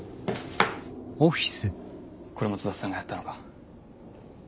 これも津田さんがやったのか？